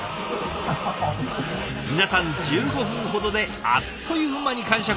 皆さん１５分ほどであっという間に完食。